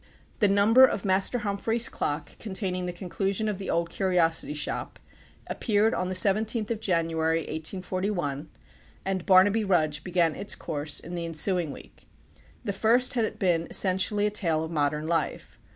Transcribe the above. The number of Master Humphrey's Clock, containing the conclusion of "The Old Curiosity Shop," appeared on the 17th of January, 1841, and "Barnaby Rudge" began its course in the ensuing week. The first had been essentially a tale of modern life.